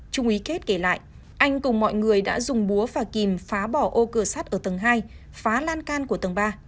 trung ý kết kể lại anh cùng mọi người đã dùng búa và kìm phá bỏ ô cửa sắt ở tầng hai phá lan can của tầng ba